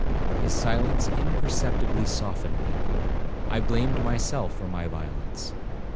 His silence imperceptibly softened me,—I blamed myself for my violence.